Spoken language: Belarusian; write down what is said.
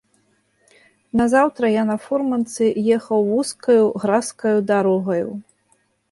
Назаўтра я на фурманцы ехаў вузкаю, гразкаю дарогаю.